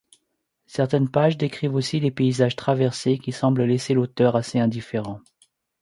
Certaines pages décrivent aussi les paysages traversés, qui semblent laisser l'auteur assez indifférent.